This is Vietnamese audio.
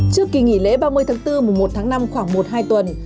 trước kỳ nghỉ lễ ba mươi tháng bốn mùa một tháng năm khoảng một hai tuần